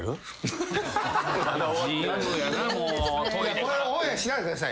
これオンエアしないでください。